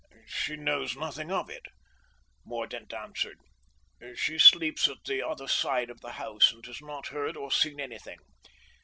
"She knows nothing of it," Mordaunt answered. "She sleeps at the other side of the house, and has not heard or seen anything.